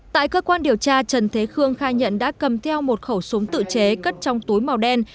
tại cơ quan điều tra trần thế khương khai nhận đã cầm theo một khẩu súng tự chế cất trong túi màu đen